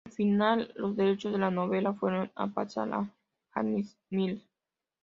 Al final los derechos de la novela fueron a parar a Hamish Hamilton Ltd.